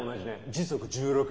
時速１６。